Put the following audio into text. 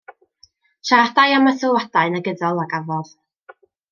Siaradai am y sylwadau negyddol a gafodd.